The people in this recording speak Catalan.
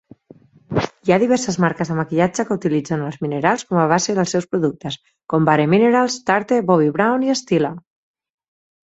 Hi ha diverses marques de maquillatge que utilitzen els minerals com a base dels seus productes, com Bare Minerals, Tarte, Bobbi Brown i Stila.